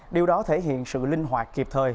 điều đó thể hiện sự linh hoạt kịp thời